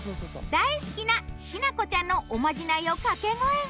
大好きなしなこちゃんのおまじないを掛け声に。